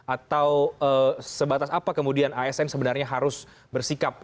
atau sebatas apa kemudian asn sebenarnya harus bersikap